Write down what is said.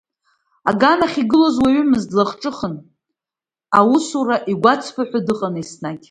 Аганахь игылоз уаҩымызт, длахҿыхын, аусура игәы ацԥыҳәо дыҟан еснагь.